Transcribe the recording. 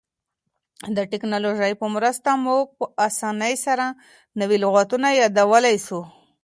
د ټکنالوژۍ په مرسته موږ په اسانۍ سره نوي لغتونه یادولای سو.